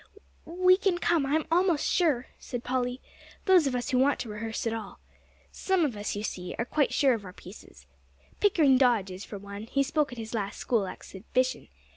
"We can come, I am almost sure," said Polly, "those of us who want to rehearse at all. Some of us, you see, are quite sure of our pieces: Pickering Dodge is, for one; he spoke at his last school exhibition.